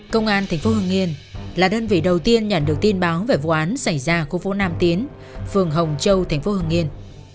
công an tp hương nghiên là đơn vị đầu tiên nhận được tin báo về vụ án xảy ra của vụ nam tiến phường hồng châu tp hương nghiên